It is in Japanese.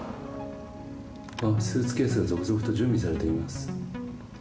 スーツケースが続々と準備されています。